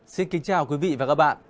xin kính chào quý vị và các bạn